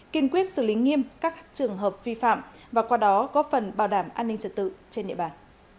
kiên quyết xử lý nghiêm các trường hợp vi phạm và qua đó góp phần bảo đảm an ninh trật tự trên địa bàn